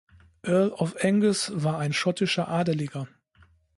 Earl of Angus, war ein schottischer Adeliger.